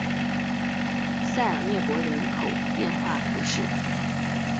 塞尔涅博人口变化图示